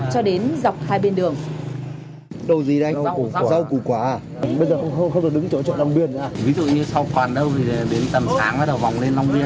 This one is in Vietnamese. cho đến dọc hai bên đường